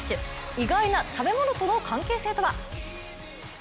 意外な食べ物との関係性とは。